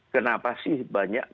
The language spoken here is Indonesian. kenapa sih banyak kasus